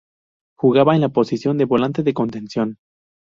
Jugaba en la posición de volante de contención.